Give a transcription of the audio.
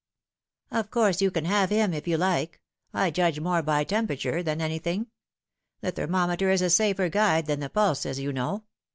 " Of course, you can have him if you like. I judge more by temperature than anything the thermometer is a safer guide than the pulse, as you know.